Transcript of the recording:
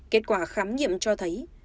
kết quả khám nghiệm cho thấy